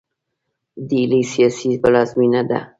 ډیلي سیاسي پلازمینه ده.